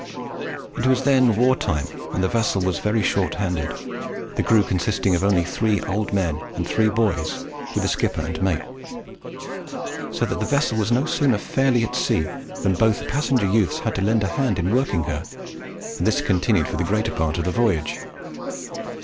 It was then war time, and the vessel was very short handed, the crew consisting only of three old men and three boys, with the skipper and mate; so that the vessel was no sooner fairly at sea than both the passenger youths had to lend a hand in working her, and this continued for the greater part of the voyage.